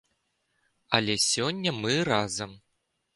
Але сёння мы разам.